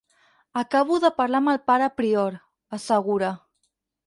Acabo de parlar amb el pare prior, assegura.